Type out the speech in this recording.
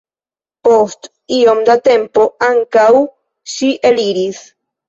Post iom da tempo ankaŭ ŝi eliris.